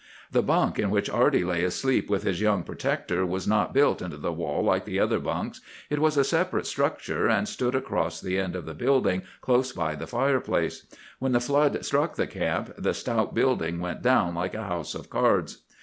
"The bunk in which Arty lay asleep with his young protector was not built into the wall like the other bunks. It was a separate structure, and stood across the end of the building close by the fireplace. When the flood struck the camp, the stout building went down like a house of cards.